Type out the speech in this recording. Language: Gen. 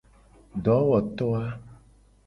Dowoto a.